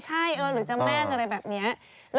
จริง